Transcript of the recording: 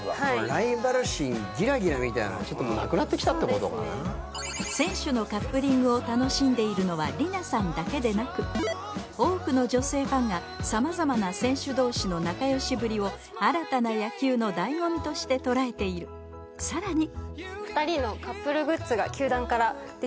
ライバル心ギラギラみたいなのちょっともうなくなってきたってことかな選手のカップリングを楽しんでいるのはりなさんだけでなく多くの女性ファンが様々な選手同士の仲良しぶりを新たな野球の醍醐味として捉えているさらに２人のえっ？